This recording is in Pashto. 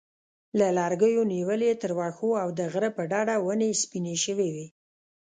له لرګیو نیولې تر واښو او د غره په ډډه ونې سپینې شوې وې.